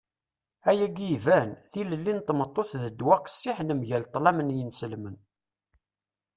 ayagi iban. tilelli n tmeṭṭut d ddwa qqessiḥen mgal ṭṭlam n yinselmen